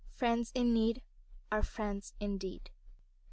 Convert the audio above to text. Friends in need are friends indeed."